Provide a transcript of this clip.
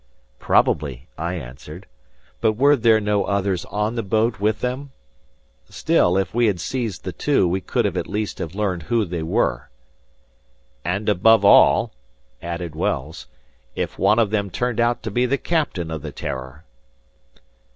"Probably," I answered. "But were there no others on the boat with them? Still, if we had seized the two, we could at least have learned who they were." "And above all," added Wells, "if one of them turned out to be the captain of the 'Terror!